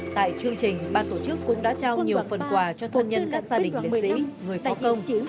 tại chương trình ban tổ chức cũng đã trao nhiều phần quà cho thân nhân các gia đình liệt sĩ người có công